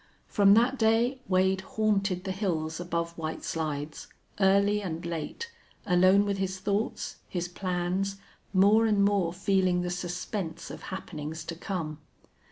From that day Wade haunted the hills above White Slides, early and late, alone with his thoughts, his plans, more and more feeling the suspense of happenings to come.